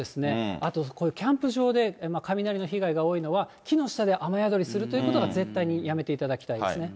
あと、これ、キャンプ場で雷の被害が多いのは、木の下で雨宿りするということが、絶対にやめていただきたいですね。